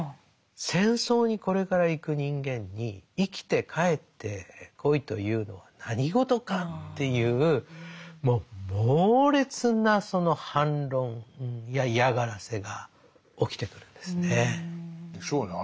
戦争にこれから行く人間に生きて帰ってこいというのは何事かっていうもう猛烈な反論や嫌がらせが起きてくるんですね。でしょうね。